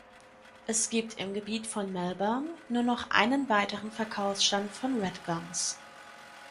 Es gibt im Gebiet von Melbourne nur noch einen weiteren Verkaufsstand von Redgums.